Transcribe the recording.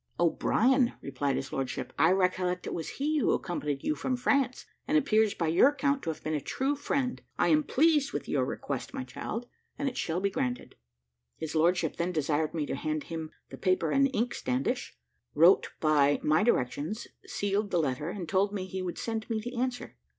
"O'Brien," replied his lordship; "I recollect it was he who accompanied you from France, and appears, by your account, to have been a true friend. I am pleased with your request, my child, and it shall be granted." His lordship then desired me to hand him the paper and ink standish, wrote by my directions, sealed the letter, and told me he would send me the answer.